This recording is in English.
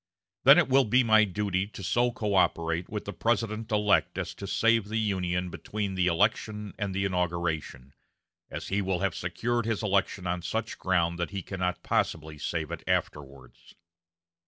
Then it will be my duty to so coöperate with the President elect as to save the Union between the election and the inauguration, as he will have secured his election on such ground that he cannot possibly save it afterwards."